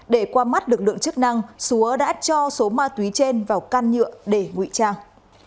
để qua mắt lực lượng chức năng xúa đã cho số ma túy trên vào can nhựa để ngụy trang